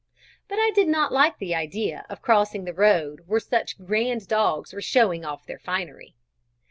But I did not like the idea of crossing the road where such grand dogs were showing off their finery.